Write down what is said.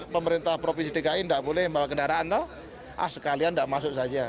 pemerintah provinsi dki enggak boleh bawa kendaraan ah sekalian enggak masuk saja